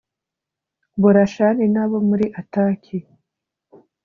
borashani n abo muri ataki